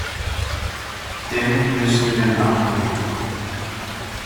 Dem müssen wir nachgehen.